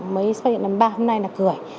mới xác định năm ba hôm nay là cười